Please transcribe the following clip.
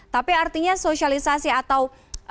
tapi artinya sosialisasi atau